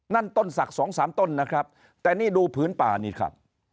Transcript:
นั่นต้นศักดิ์สองสามต้นนะครับแต่นี่ดูผืนป่านี่ครับ